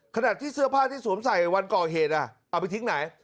ขณะที่เสื้อผ้าที่สวมใส่วันก่อเหตุเอาไปทิ้งไหน